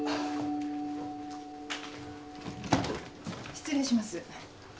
・失礼します。